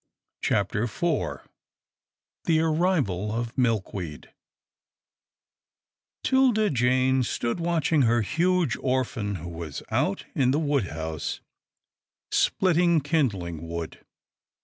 CHAPTER IV THE ARRIVAL OF MILKWEED 'Tilda Jane stood watching her huge orphan, who was out in the wood house, spHtting kindhng wood.